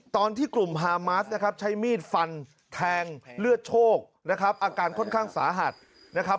ตอนที่กลุ่มฮามาสนะครับใช้มีดฟันแทงเลือดโชคนะครับอาการค่อนข้างสาหัสนะครับ